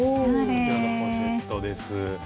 こちらのポシェットです。